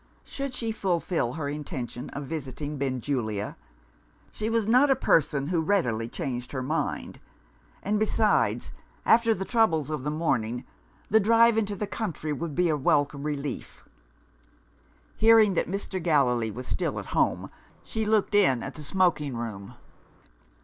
Should she fulfil her intention of visiting Benjulia? She was not a person who readily changed her mind and, besides, after the troubles of the morning, the drive into the country would be a welcome relief. Hearing that Mr. Gallilee was still at home, she looked in at the smoking room.